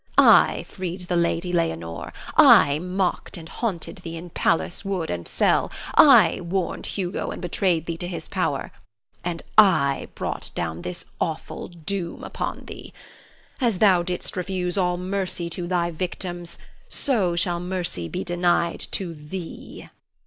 I freed the Lady Leonore; I mocked and haunted thee in palace, wood, and cell; I warned Hugo, and betrayed thee to his power; and I brought down this awful doom upon thee. As thou didst refuse all mercy to thy victims, so shall mercy be denied to thee.